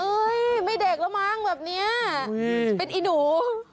ไม่เด็กแล้วมั้งแบบนี้เป็นอีหนู